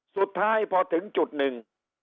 สุดท้ายพอถึงจุดหนึ่ง